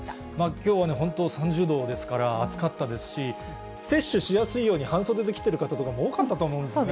きょうは本当、３０度ですから、暑かったですし、接種しやすいように半袖で来てる方とかも多かったと思うんですよね。